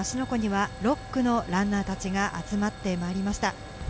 湖には６区のランナーたちが集まってまいりました。